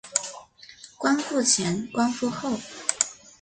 光复前光复后